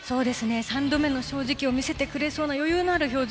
三度目の正直を見せてくれそうな余裕のある表情。